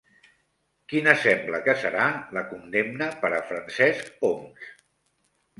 Quina sembla que serà la condemna per a Francesc Homs?